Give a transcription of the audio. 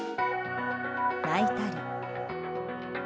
泣いたり。